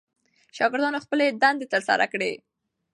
شاګردانو خپلې دندې ترسره کړې.